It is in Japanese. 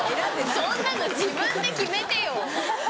そんなの自分で決めてよ。